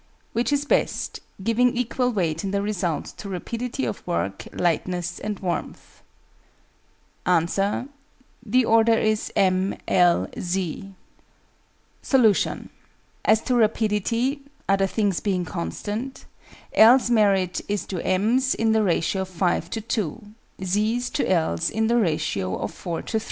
Which is best, giving equal weight in the result to rapidity of work, lightness, and warmth? Answer. The order is M, L, Z. Solution. As to rapidity (other things being constant) L's merit is to M's in the ratio of 5 to 2: Z's to L's in the ratio of 4 to 3.